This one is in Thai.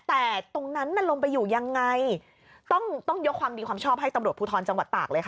แต่ตรงนั้นน่ะลงไปอยู่ยังไงต้องต้องยกความดีความชอบให้ตำรวจภูทรจังหวัดตากเลยค่ะ